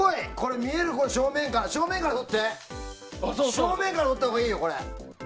正面から撮ったほうがいいよ！